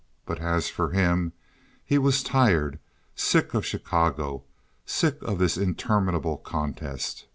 But as for him, he was tired, sick of Chicago, sick of this interminable contest.